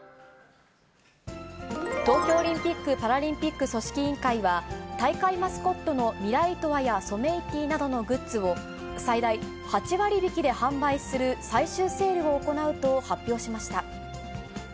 東京オリンピック・パラリンピック組織委員会は、大会マスコットのミライトワやソメイティなどのグッズを、最大８割引きで販売する最終セールを行うと発表しました。